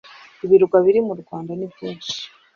Ibirwa biri mu u Rwanda ni byinshi